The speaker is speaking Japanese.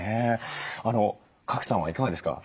賀来さんはいかがですか？